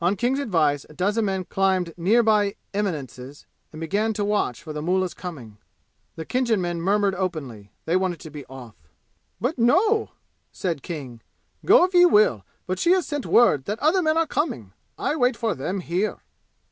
On King's advice a dozen men climbed near by eminences and began to watch for the mullah's coming. The Khinjan men murmured openly; they wanted to be off. "But no," said King. "Go if ye will, but she has sent word that other men are coming. I wait for them here."